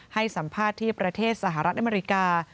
ให้สัมภาษณ์ที่ประเทศสหรัฐอเมริกา